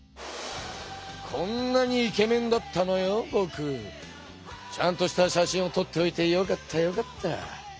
こんなにイケメンだったのよぼく。ちゃんとした写真をとっておいてよかったよかった。